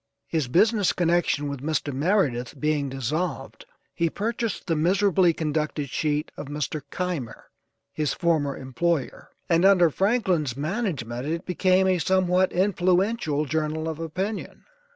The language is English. His business connection with Mr. Meridith being dissolved, he purchased the miserably conducted sheet of Mr. Keimer, his former employer, and under Franklin's management it became a somewhat influential journal of opinion.